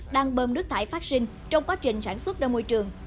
đang bơm nước thải phát sinh trong quá trình sản xuất ra môi trường